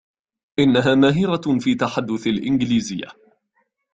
إنها ماهرة في تحدث الإنجليزية.